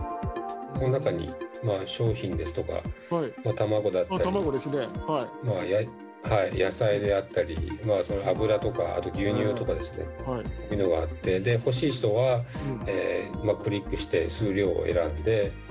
この中に、商品ですとか、卵だったり、野菜であったり、油とか、あと牛乳とかですね、というのがあって、欲しい人は、クリックして、数量を選んで。